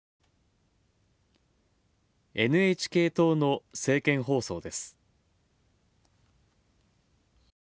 ＮＨＫ党の政見放送です。